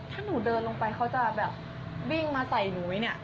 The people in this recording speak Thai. ถ้าหนูเดินลงไปเขาจะแบบวิ่งมาใส่หนูไว้เนี่ย